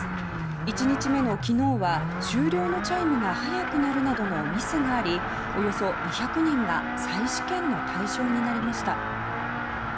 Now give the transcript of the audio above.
１日目の昨日は終了のチャイムが早く鳴るなどのミスがありおよそ２００人が再試験の対象になりました。